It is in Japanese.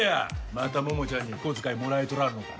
また桃ちゃんに小遣いもらえとらんのか。